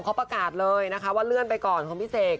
เขาประกาศเลยนะคะว่าเลื่อนไปก่อนของพี่เสก